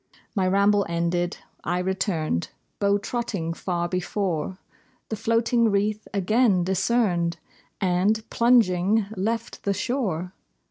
My ramble ended, I returned; Beau trotting far before The floating wreath again discerned, And, plunging, left the shore.